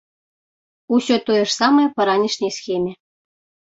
Усё тое ж самае па ранішняй схеме.